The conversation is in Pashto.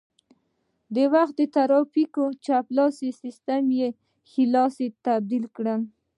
د وخت د ترافیکو چپ لاس سیسټم یې ښي لاس ته تبدیل کړ